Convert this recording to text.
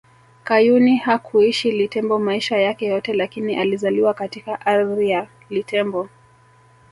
Kayuni hakuishi Litembo maisha yake yote lakini alizaliwa katika ardhi ya Litembo